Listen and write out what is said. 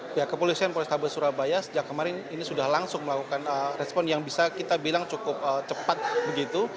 pihak kepolisian polrestabes surabaya sejak kemarin ini sudah langsung melakukan respon yang bisa kita bilang cukup cepat begitu